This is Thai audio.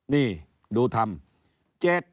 นี่ดูทำ